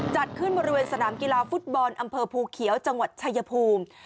จัดขึ้นบริเวณสนามกีฬาฟุตบอลอำเภอภูเขียวจังหวัดชายภูมิ